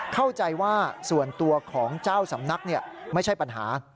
เข้าใจว่าส่วนตัวของเจ้าสำนักไม่ใช่ปัญหา